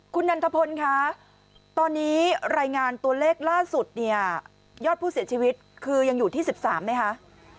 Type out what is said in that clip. คุณนันทพลคะตอนนี้รายงานตัวเลขล่าสุดเนี่ยยอดผู้เสียชีวิตคือยังอยู่ที่๑๓ไหมคะ